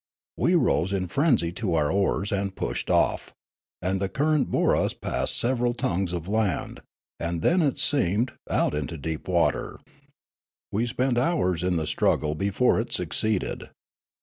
We rose in frenzy to our oars, and pushed off ; and the current bore us past several tongues of land, and then, it seemed, out into deep water. We spent hours in the struggle before it succeeded.